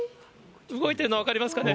動いてるの分かりますかね。